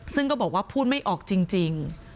ซึ่งก็บอกว่าพูดไม่ออกจริง